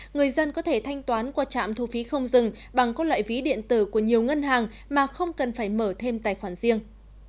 người dân có thể thanh toán qua trạm thu phí không dừng bằng các loại ví điện tử của nhiều ngân hàng mà không cần phải mở thêm tài khoản riêng